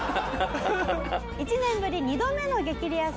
１年ぶり２度目の『激レアさん』